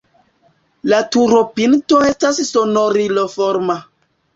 La turopinto estas sonoriloforma.